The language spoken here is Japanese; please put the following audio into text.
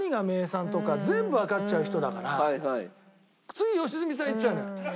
次良純さんいっちゃうのよ。